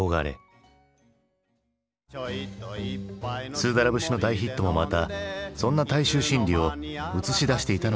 「スーダラ節」の大ヒットもまたそんな大衆心理を映し出していたのかもしれない。